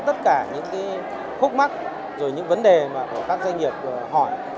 tất cả những khúc mắt và những vấn đề của các doanh nghiệp hỏi